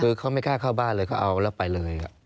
คือเขาไม่กล้าเข้าบ้านเลยเขาเอาแล้วไปเลย